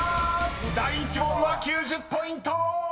［第１問は９０ポイント！］